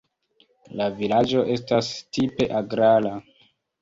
La vilaĝo estas tipe agrara.